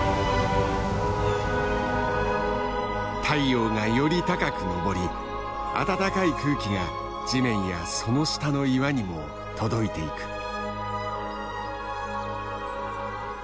太陽がより高く昇り暖かい空気が地面やその下の岩にも届いていく。